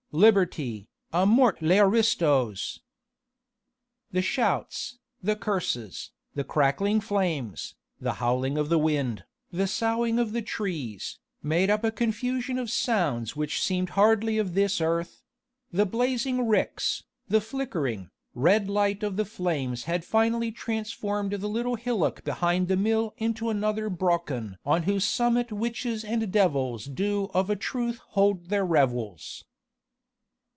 Liberty! A mort les aristos!" The shouts, the curses, the crackling flames, the howling of the wind, the soughing of the trees, made up a confusion of sounds which seemed hardly of this earth; the blazing ricks, the flickering, red light of the flames had finally transformed the little hillock behind the mill into another Brocken on whose summit witches and devils do of a truth hold their revels.